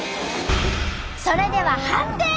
それでは判定！